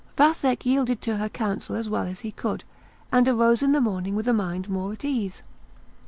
Vathek yielded to her counsel as well as he could, and arose in the morning with a mind more at ease.